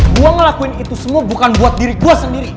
gue ngelakuin itu semua bukan buat diri gue sendiri